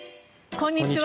こんにちは。